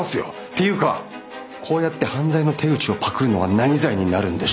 っていうかこうやって犯罪の手口をパクるのは何罪になるんでしょうか？